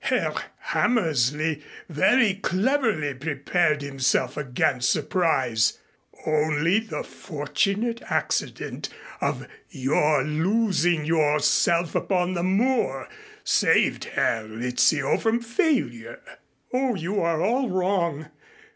Herr Hammersley very cleverly prepared himself against surprise. Only the fortunate accident of your losing yourself upon the moor saved Herr Rizzio from failure." "Oh, you are all wrong.